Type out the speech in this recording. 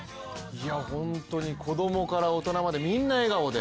子供から大人までみんな笑顔で。